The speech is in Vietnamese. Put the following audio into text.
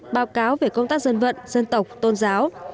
báo cáo về công tác dân vận dân tộc tôn giáo